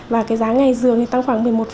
và cái giá ngày dường thì tăng khoảng một mươi một